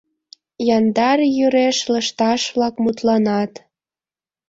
Яндар йӱреш лышташ-влак мутланат.